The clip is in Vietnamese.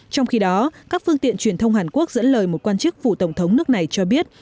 trong khi đó các phương tiện truyền thông hàn quốc dẫn lời một quan chức vụ tổng thống nước này cho biết